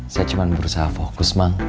saya cuma berusaha fokus bang